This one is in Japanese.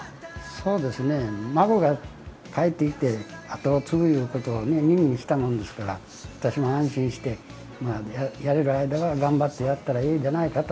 そうですね、孫が帰ってきて後を継ぐということを耳にしたもんですから私も安心して、やれる間は頑張ってやったらええんじゃないかと。